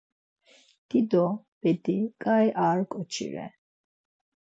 Dido bedi kai ar ǩoçi re.